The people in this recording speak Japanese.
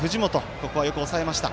ここは、よく抑えました。